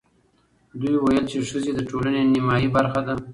دوی ویل چې ښځې د ټولنې نیمايي برخه ده.